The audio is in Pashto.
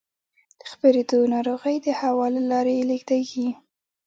د خپرېدو ناروغۍ د هوا له لارې لېږدېږي.